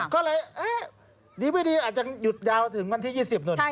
ก็เลยนี่ไว้ดีอาจจะหยุดยาวถึงวันที่๒๐นิดนึง